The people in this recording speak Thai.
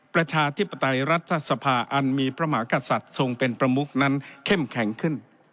ประชาธิปไตยรัฐสภาอันมีพระมหากษัตริย์ทรงเป็นประมุกนั้นเข้มแข็งขึ้น